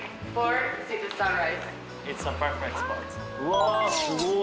わすごい。